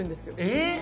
えっ！